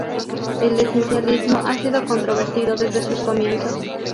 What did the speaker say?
El esencialismo ha sido controvertido desde sus comienzos.